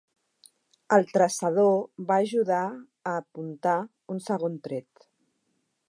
El traçador va ajudar a apuntar un segon tret.